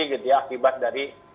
jadi akibat dari